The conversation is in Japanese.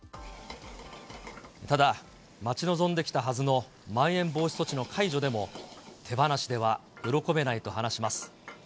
ただ、待ち望んできたはずのまん延防止措置の解除でも、手放しでは喜べないと話します。